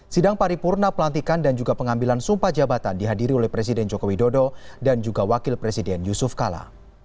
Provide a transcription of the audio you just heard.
sidang paripurna pelantikan dan juga pengambilan sumpah jabatan dihadiri oleh presiden joko widodo dan juga wakil presiden yusuf kala